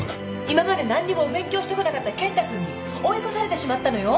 今まで何にもお勉強してこなかった健太君に追い越されてしまったのよ？